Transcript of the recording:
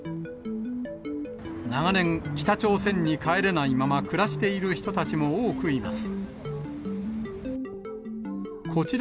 長年、北朝鮮に帰れないまま暮らしている人たちも多くいます。